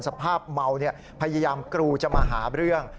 สภาพเมาพยายามกรูจะมาหาเรื่อง